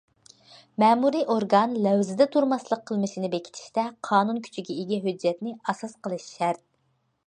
مەمۇرىي ئورگان لەۋزىدە تۇرماسلىق قىلمىشىنى بېكىتىشتە قانۇن كۈچىگە ئىگە ھۆججەتنى ئاساس قىلىش شەرت.